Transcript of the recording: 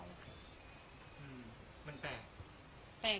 มันแปลก